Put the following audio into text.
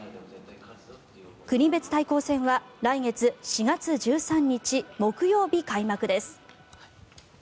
国別対抗戦は来月４月１３日木曜日開幕です。